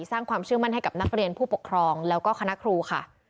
สร้างความเชื่อมั่นให้กับนักเรียนผู้ปกครองแล้วก็คณะครูค่ะ